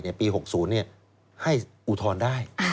รัฐมนตร์ฉบับใหม่ปี๖๐ให้อุทธรณ์ได้